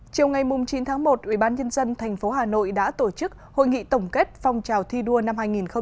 chiều ngày chín tháng một ubnd tp hà nội đã tổ chức hội nghị tổng kết phong trào thi đua năm hai nghìn một mươi chín